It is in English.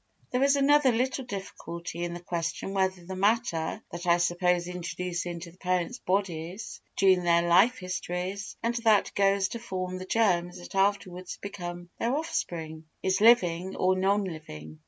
There is another little difficulty in the question whether the matter that I suppose introduced into the parents' bodies during their life histories, and that goes to form the germs that afterwards become their offspring, is living or non living.